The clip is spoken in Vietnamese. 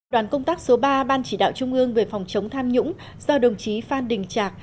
đoàn công tác số ba ban chỉ đạo trung ương về phòng chống tham nhũng do đồng chí phan đình trạc